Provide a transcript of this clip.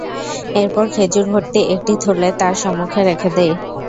এরপর খেজুর ভর্তি একটি থলে তার সম্মুখে রেখে দেয়।